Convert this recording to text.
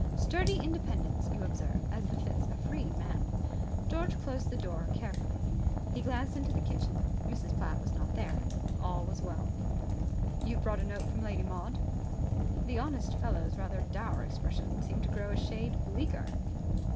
Sturdy independence, you observe, as befits a free man. George closed the door carefully. He glanced into the kitchen. Mrs. Platt was not there. All was well. "You have brought a note from Lady Maud?" The honest fellow's rather dour expression seemed to grow a shade bleaker.